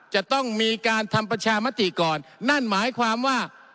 จะต้องมีการทำประชามติก่อนนั่นหมายความว่า